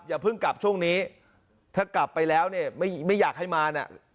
อย่าเพิ่งกลับช่วงนี้ถ้ากลับไปแล้วเนี่ยไม่อยากให้มาเนี่ย